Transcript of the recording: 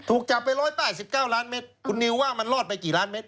ถูกจับไป๑๘๙ล้านเมตรคุณนิวว่ามันรอดไปกี่ล้านเมตร